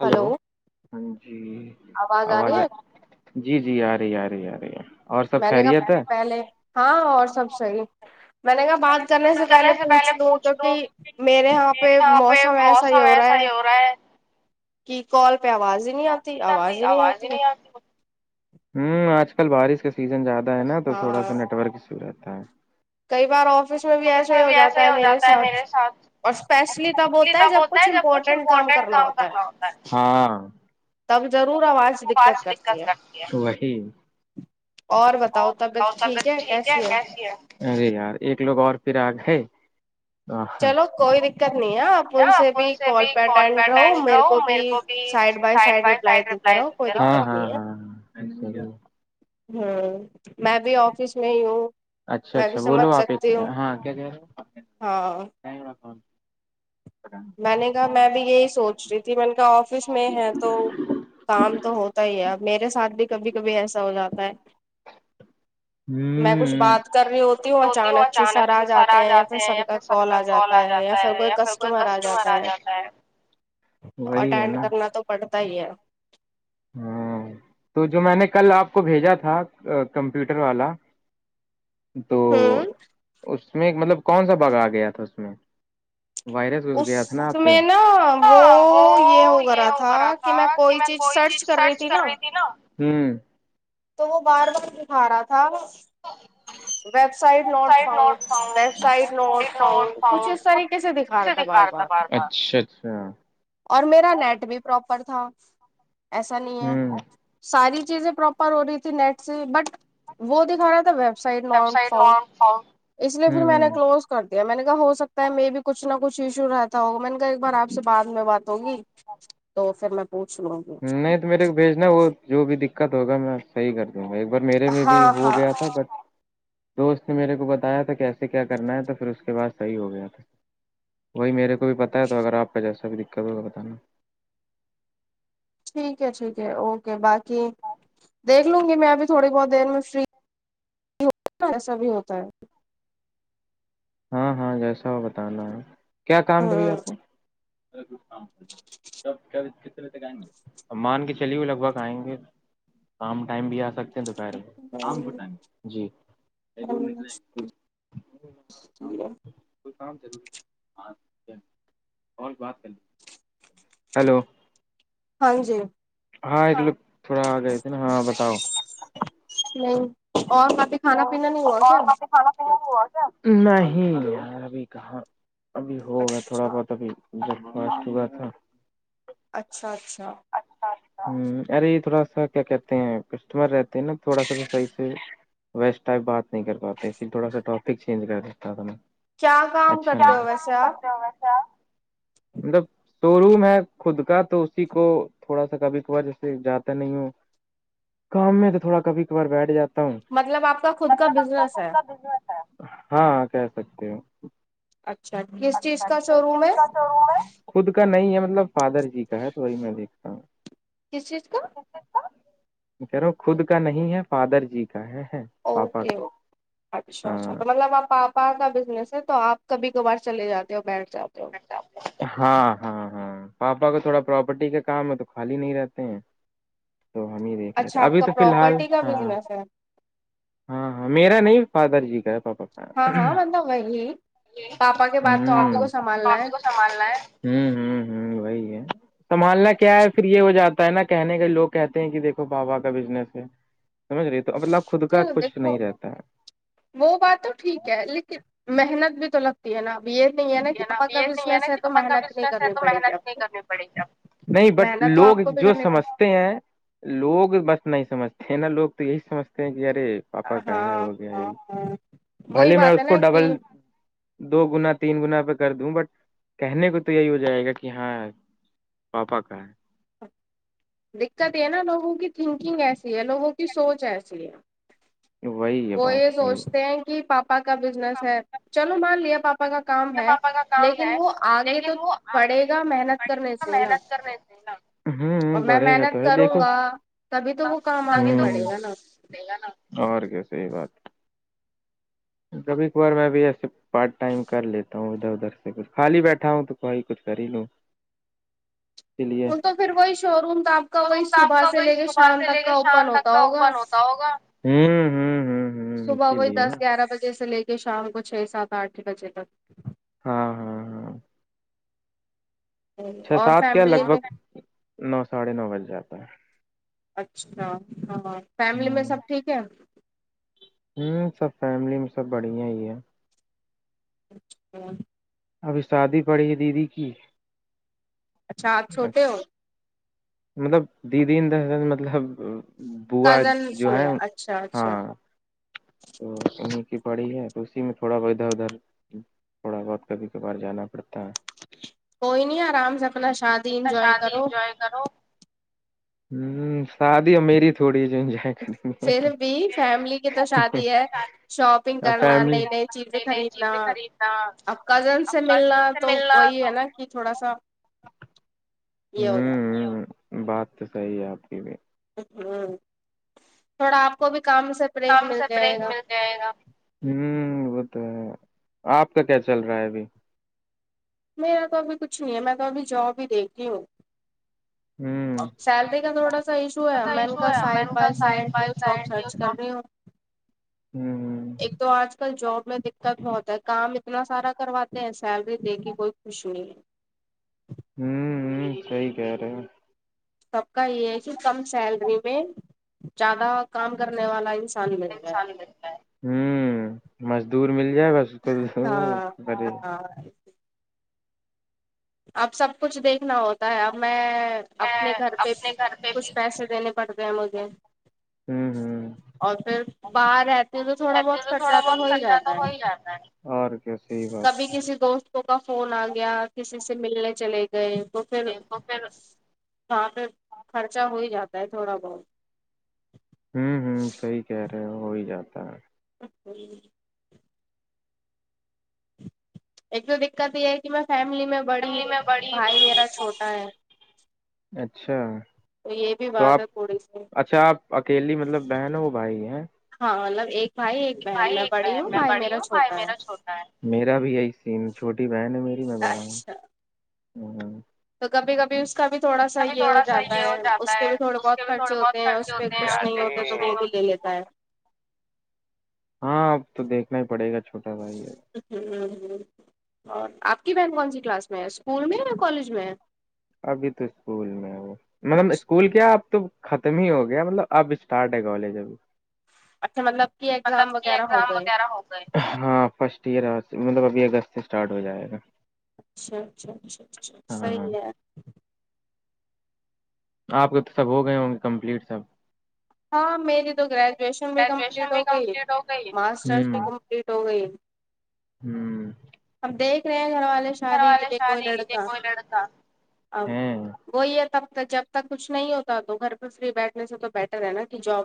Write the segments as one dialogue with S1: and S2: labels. S1: hello ہاں جی آواز ہے جی جی آ رہی آ رہی آ رہی اور سب خیریت ہے
S2: ہاں اور سب صحی میں نے کہا بات کرنے سے پہلے پوچھ لوں کیوںکہ میرے یہاں پہ موسم ایسا ہی ہو رہا ہے
S1: پرائے
S2: کہ کال پہ آواز ہی نہیں آتی آواز ہی نہیں آتی
S1: ہوں آج کل بارش کا سیزن زیادہ ہے نا تو تھوڑا سا نیٹ ورک ایشو رہتا ہے
S2: کئی بار آفس میں بھی ایسے ہی ہو جاتا ہے میرے ساتھ اور اسپیشلی تب ہوتا ہے جب کچھ امپورٹینٹ کام کرنا ہوتا ہے تب ضرور آواز دقت کرتی ہے اور بتاؤ تبعت ٹھیک ہے کیسی ہے
S1: ارے یار ایک لوگ اور پھر آگ ہے
S2: چلو کوئی دقت نہیں ہے آپ ان سے بھی کال پہ اٹینڈ رہو میرے کو بھی
S1: سائڈ بیے سائڈ رپلی
S2: ہوں میں بھی آف آفس میں ہی ہوں میں بھی سمجھ سکتی ہوں ہاں
S1: کیا راکھن
S2: میں نے کہا میں بھی یہی سوچ رہی تھی میں نے کہا آفس میں ہے تو کام تو ہوتا ہی ہے میرے ساتھ بھی کبھی کبھی ایسا ہو جاتا ہے
S1: [inaudible]
S2: میں کچھ بات کر رہی ہوتی ہوں اچانک سے سرا جاتے ہیں یا پھر سر کا کال آ جاتا ہے یا پھر کوئی کسٹمر جاہے اٹینڈ کرنا تو پڑتا ہی ہے
S1: ہاں تو جو میں نے کل آپ کو بھیجا تھا کمپیوٹر والا تو اس میں مطلب کون سا باغ آ گیا تھا اس میں
S2: اس میں نا وہ یہ ہو گا تھا کہ میں کوئی چیز سرچ
S1: سرچ کر رہی تھی نا
S2: تو وہ بار بار دکھا رہا تھا
S1: ہاں سایٹ ناٹ فاونڈ دکھا رہا تھا اچھا اچھا
S2: اور میرا نیٹ بھی برابر تھا ایسا نہیں ہے ساری چیزیں پراپر ہو رہی تھی نیٹ سے بٹ وہ دکھا رہا تھا سائڈ نٹ فاؤنٹ اس لیے پھر میں نے کلوز کر دیا میں نے کہا ہو سکتا ہے بھی کچھ نہ کچھ ایشو رہتا ہوگا میں نے کہا ایک بار آپ سے بع میں بات ہوگی تو پھر میںط [inaudible]
S1: نہیں تو میرے کو بھیجنا ہے وہ جو بھی دقت ہوگا صحیح کر دوں گا ایک بار میرے میں بھی ہو گیا تھا بٹ دوست نے میرے کو بتایا تھا کیسے کیا کرنا ہے تو پھر اس کے بعد صحیح ہو گیا تھا وہی میرے کو بھی پتا ہے تو اگر آپ کا جیسا بھی دقت ہو تو بتانا
S2: ٹھیک ہے ٹھیک ہے اوکے باقی دیکھ لوں گی میں ابھی تھوڑی بہت دیر میں فری ایسا بھی ہوتا ہے
S1: ہاں ہاں جیسا ہو بتانا ہے کیا کام تھا آپ کو مان کے چلیے ہوئے لگ بھگ آئیں گے شم ٹائم بھی آسکتے ہیں دوپہر شام کو ٹم جی دور نکلیں گا
S2: ٹھیک ہے
S1: کوئی کام ضروری ہے ہاں چلی کال بات کر لیجیے ہیلو
S2: ہاں جی
S1: ہاں ا لو تھوڑا آ گئے تھے نا ہاں بتاؤ
S2: نہیں اور کافی
S1: اور وہاں پہ کھانا پینا ہوا کیا نہیں ابھی کہاں ابھی ہوگا تھوڑا بہت ابھی برخاشٹ ہوا تھا
S2: اچھا اچھا
S1: ارے تھوڑا سا کیا کہتے ہیں کسٹمر رہتے ہیں نا تھوڑا سا بھی صحیح سے ویس ٹائپ بات نہیں کر پاتے اس لیے تھوڑا سا ٹاپک چینج کر دیتا تھا میں اچھا کیا کام کرتے ہو ویسے آپ مطلب شو روم ہے خود کا تو اسی کو تھوڑا سا کبھی کبھار جیسے جاتا نہیں ہوں کام میں تو تھوڑا کبھی کبار بیٹھ جاتا
S2: مطلب آپ کا خود کا بزنس ہے
S1: ہاں کہہ سکتی ہ
S2: اچھا کس چیز کا شو روم ہے
S1: خود کا نہیں ہے مطلب فادر جی کا ہے تو وہی میں دیکھتا ہوں
S2: کس چیز کا
S1: کہ رہو خود کا نہیں ہے فادر جی کا ہے ہے
S2: اوکے اوکے
S1: [unintelligible]
S2: اچھا اچھا تو مطلب آپ آپا کا بزنس ہے تو آپ کبھی کبھار چے جاتے ہو بیٹھ جاتے ہو
S1: ہاں ہاں ہاں پاپا کا تھوڑا پراپرٹی کا کام ہے تو خالی نہیں رہتے ہیں تو ہم ہی دیکھ لیتے ابھی تو فی الحال ہاں ہاں ہاں میرا نہیں فادر جی کا ہے پپا
S2: ہاں ہاں مطلب وہی پاپا کے بات تو آپ ہی کو سمال
S1: کاپی کو سنبھالنا ہے ہ ہ ہ وہی ہے سنبھالنا کیا ہے پھر یہ ہو جاتا ہے نا کہنے کا لوگ کہتے ہیں کہ دیکھو باابا کا بزنس ہے سمجھ رہی تو مطلب خود کا کچھ نہیں رہتا ہے
S2: وہ بات تو ٹھیک ہے لیکن محنت بھی تو لگتی ہے نا اب یہ
S1: ہے نا اب یہ نہیں ہے نا کہ پپا کا بزنس ہے تو محنت نہیں کرنی پڑے گی اب نہیں بٹ لوگ جو سمجھتے ہیں لوگ بس نہیں سمجھتے ہیں نا لوگ تو یہی سمجھتے ہیں کہ یارے پاپا کا ہے وہ گیا بھلے میں اس کو ڈبل دو گنا تین گنا پہ کر دوں بٹ کہنے کو تو یہی ہو جائے گا کہ ہاں پاپا کا ہے
S2: دقت یہ نا لوگوں کی تھنکنگ ایسی ہے لوگوں کی سوچ ایسی ہے وہ یہ سوچتے ہیں کہ پاپا کا بزنس ہے چلو مان لیا پاپا پا کا کام ہے لیکن وہ آگے تو بڑھے گا محنت کرنے سے نا اور میں محنت کروں گا تبھی تو وہ کام آگے بڑھے گا نا
S1: اور کیاسحی بات کبھی کبار میں بھیھی ایسے پارٹ ٹائم کر لیتا ہوں ادھر ادھر سے کچھ خالی بیٹھا ہوں تو کوی کچھ کر ہی لوں [inaudible] لیے ش روم تو آپ کا کوئی صبح سے لے کے شام تک کا اوپن ہوتا ہوگا ہوں ہوں ہوں
S2: صبح وہی دس گیارہ بجے سے لے کے شام کو چھ سات آٹھ بجے تک
S1: ہاں ہاں ہاں چھ سات کیا لگ بھگ نو ساڑھے نو بج جاتا ہے
S2: اچھا ہاں فیملی میں سب ٹھیک ہے
S1: ہوں سب فیملی میں سب بڑھیا ہی ہے
S2: ہوں
S1: ابھی شادی پڑی ہے دیدی کی
S2: اچھا آپ چھوے ہو
S1: مطلب دی دن دس دن مطلب بووا جو ہے ہاں تو انہیں کی پڑی ہے تو اسی میں تھوڑا بہ ادھر ادھر تھوڑا بہت کبھی کبھار جانا
S2: کوئی نہیں آرام سے اپنا شادی انجوائے کرو
S1: ہ شادی میری تھوڑی چ
S2: فر بھی فملی کی تو شادی ہے شاپنگ کرنا نئی نئی چیزیں خریدنا اب کزن سے ملنا تو وہی ہے نا کہ تھوڑا سا یہ ہو جاتتا
S1: بات تو صحیح ہے آپ کی بھی
S2: ہ تھوڑا آپ کو بھی کام سے
S1: شام سے بریک ملتا ہوں وہ تو ہے آپ کا کیا چل رہا ہے ابھی
S2: میرا تو ابھی کچھ نہیں ہے میں تو ابھی جاب بھی دیکھتی ہوں سیلری کا تھوڑا سا ایشو ہے میں ان کا side by side new job search کر رہی ہوں
S1: ہوں ہ
S2: تو آج کل جاب میں دقت بہت ہے کام اتنا سارا کرواتے ہیں سیلری دے گ کوئی خوش نہیں
S1: ہوں ہ صحی کہہ رہے ہیں
S2: سب کا یہ ہے کہ کم سیلری میں زیادہ کام کرنے والا
S1: ہوں مزدور مل جائے گا اس کو گے
S2: ہاں اب سب کچھ دیکھنا ہوتا ہے اب میں اپنے گھر پہ بھی کچھ پیسے دینے پڑتے ہیں مجھے
S1: ہوں ہوں
S2: اور پھر باہر ہے تو تھوڑا بہت خرچہ تو ہو ہی جاتا ہے کبھی کسی دوست کا فون آ گیا کسی سے ملنے چلے گئے تو پھر ہاں پہ خرچہ ہو ہی جاتا ہے تھوڑا بہت
S1: ہوں ہوں صحی کہہ رہے ہو ہو ہی جاتا ہے
S2: اچھا ایک تو دقت یہ ہے کہ میں فیملی میں بڑی ہوں بھائی میرا چھوٹا ہے تو یہ بھی بات ہے تھڑی سے
S1: اکیلی مطلب بہن ہے وہ بھائی ہیں
S2: ہاں مطلب ایک بھائی ایک بہن میں بڑی ہوں بھائی میرا چھوٹا ہے
S1: میرا بھی یہی س چھوٹی بہن ہے میری میں بڑا ہوں ہ
S2: تو کبھی کبھی اس اس کا بھی تھوڑا سا یہ ہو جاتا ہے اس کے بھی تھوڑے بہت خرچے ہوتے ہیں اس پہ کچھ نہیں ہوتے تو وہ بھی لے لیتے س
S1: ہاں اب تو دیکنا ہی پڑے گا چھوٹا ساائی
S2: ہ ہ اور آپ کی بہن کون سی کلاس میں ہے اسکول میں ہے یا کالج میں ہے
S1: ابھی تو اسکول میں مطلب اسکول کیا اب تو ختم ہی ہو گیا مطلب اب اسٹارٹ ہے کالج ابھی
S2: اچھا مطلب
S1: مطلبگزام وغیرہ ہو گ ہاں فرسٹ ایئر مطلب ابھی اگست سے اسٹارٹ ہو جائے گا
S2: اچھا اچھا اچھا اچھا صحیح ہے
S1: آپ کے تو سب ہو گئے ہوں گے کمپلیٹ سب
S2: ہاں میری تو گریجویشن بھی کمپلیٹ ہو گئی ماسٹرس بھی کمپلیٹ ہو گئی
S1: ہوں
S2: اب دیکھ رہے ہیں گھر والے شادی کے لیے کوئی لڑکا اب وہی ہے تب تک جب تک کچھ نہیں ہوتا تو گھر پہ فری بیٹھنے سے تو بیٹھ ہے ن کہ جاب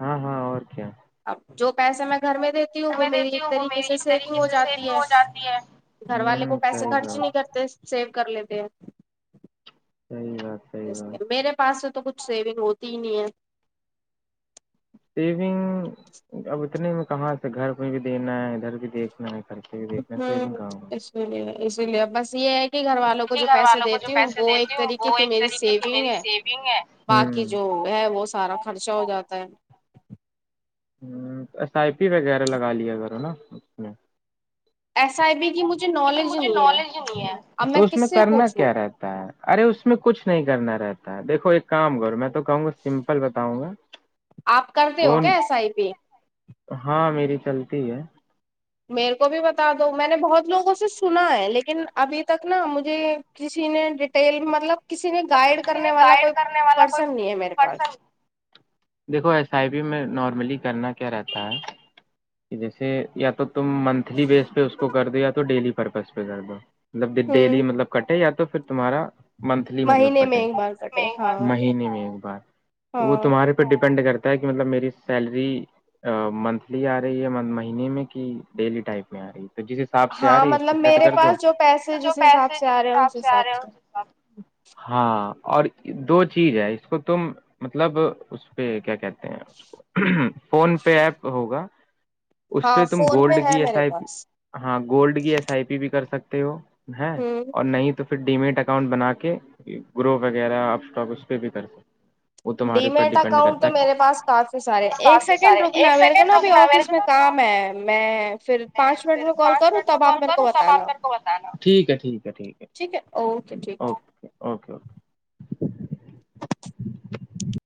S1: ہاں ہاں اور کیا
S2: اب جو پیسے میں گھر میں دیتی ہوں وہ میری ایک طریقے سے سیونگ ہو جاتی ہے گھر والے کو پیسے خرچ نہیں کرتے سیو کر لیتے ہیں
S1: صحیح بات
S2: میرے پاس سے تو کچھ سیونگ ہوتی ہی نہیں ہے
S1: سیونگ اب اتنے میں کہاں سے گھر میں بھی دینا ہے ادھر بھی دیکھنا ہے خچ بھی دیکنا چاہے کہم
S2: اسی لیے بس یہ ہے کہ گھر والوں کو جو پیسے دیتی ہوں وہ ایک طریقے کی میری سیونگ ہے باقی جو ہے وہ سارا خرچا ہو جاتا ہے
S1: ہ ایس آئی پی وغیرہ لگا لیا کرو نا اس میں
S2: ایسا ہے بھی کہ مجھے
S1: مجھے نالج نہیں ہے تو اس میں کرنا کیا رہتا ارے اس میں کچھ نہیں کرنا رہتا ہے دیکھو ایک کام کرو میں تو کہوں گا سمپل بتاؤں گا کون ہاں میری چلتی ہے
S2: میرے کو بھی بتا دو میں نے بہت لوگوں سے سنا ہے لیکن ابھی تک نا مجھے کسی نے ڈیٹیل مطلب کسی نے گائڈ کرنے والا کوئی پرسن نہیں ہے میرے پاس
S1: دیکھو ایس آئی پی میں نارملی کرنا کیا رہتا ہے جیسے یا تو تم منتھلی بیس پہ اس کو کر دو یا تو ڈیلی پرپز پہ کر دو مطلب ڈیلی مطلب کٹے یا تو پھر تمہارا منتھلی مطلب کٹے گا مہینے میں ایک بار وہ تمارے ڈیپینڈ کرتا ہے کہ مطلب میری سیلری منتھلی رہی ہے مہینے میں کہ ڈیلی ٹائپ میں آ رہی ہے تو جس حساب سے آ رہی اس کو سیٹ کر جو پیسے جس حساب سے آ رہے ہیں سے ہاں اور دو چیز ہے اس کو تم مطلب اس پہ کیا کہتے ہیں فون پے ایپ ہوگا اس پہ تم گولڈ کی ایس آئی ہاں گولڈ کی ایس آئی پی بھی کر سکتے ہو ہے اور نہیں تو پھر ڈیمیٹ اکاؤنٹ بنا کے گرو وغیرہ آپ اسٹاک اس پہ بھی کر سکتے
S2: ڈیمیٹ اکاؤنٹ تو میرے پاس کافی سارے ایک سیکنڈ رکنا ہے میرے کو نا ابھی آفس میں کام ہے میں پھر
S1: میں پھر پانچ منٹ میں کال کروں تب آپ میرے کو بتانا ٹھیک ہے ٹھیک ہے ٹھیک ہے
S2: ٹھیک ہے اوکے ٹھیک
S1: اوکے اوکے